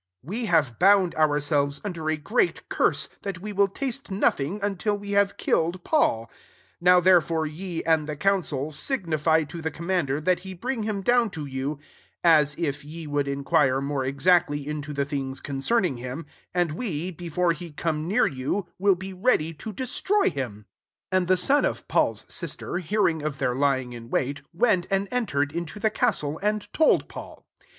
We havo bound ourselves iBder a great curse, that we ritftasle nothing until we have iUed Paul. 15 Now therefore e, and the cooncil, signify to be commaiiderr that he bring lim ddwn to you, as if ye rould inquire more esiactly into tie things coBceming him : and re, befape he come near yen, rill beceady to destroy htm." 16 Ami the son of Paul's sis ter hearing of their lying in wut, went and entered into the castle^ and told Paul.